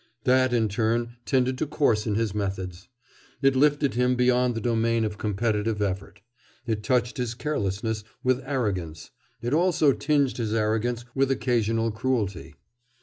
This in turn tended to coarsen his methods. It lifted him beyond the domain of competitive effort. It touched his carelessness with arrogance. It also tinged his arrogance with occasional cruelty.